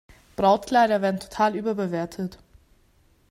Brautkleider werden total überbewertet.